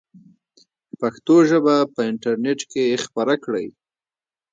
پښتو ژبه په انټرنیټ کې خپره کړئ.